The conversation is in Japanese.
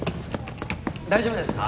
大丈夫ですか？